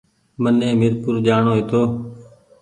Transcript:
مني ميرپور جآڻو هيتو